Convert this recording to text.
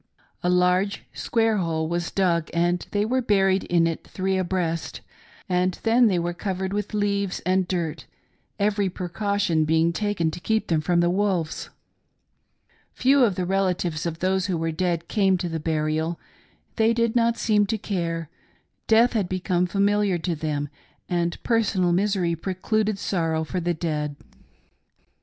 A large square hole was dug and they were buried in it three abreast, and then they were covered with leaves and earth, every precaution being taken to keep them from the wolves. Few of the relatives of those who were dead came to the burial — they did not seem to care — death had become familiar to them, and personal misery precluded sorrow for the dead.